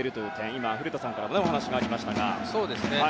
今、古田さんからお話がありましたが。